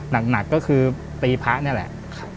หนักก็คือตีพระนี่แหละ